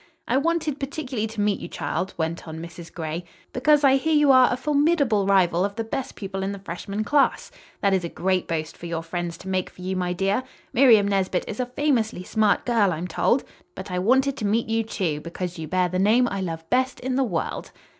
"I wanted particularly to meet you, child," went on Mrs. Gray, "because I hear you are a formidable rival of the best pupil in the freshman class. That is a great boast for your friends to make for you, my dear. Miriam Nesbit is a famously smart girl, I'm told. But I wanted to meet you, too, because you bear the name I love best in the world."